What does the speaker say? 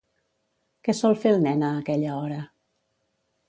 Què sol fer el nen a aquella hora?